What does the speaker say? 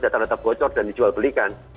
data data bocor dan dijual belikan